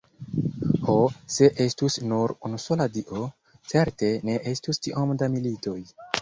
Ho, se estus nur unusola Dio, certe ne estus tiom da militoj.